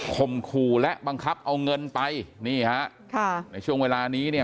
ขู่และบังคับเอาเงินไปนี่ฮะค่ะในช่วงเวลานี้เนี่ย